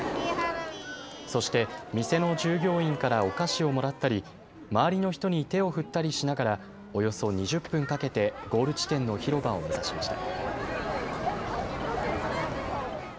そして店の従業員からお菓子をもらったり、周りの人に手を振ったりしながらおよそ２０分かけてゴール地点の広場を目指しました。